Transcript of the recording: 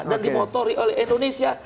dan dimotori oleh indonesia